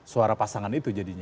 suara pasangan itu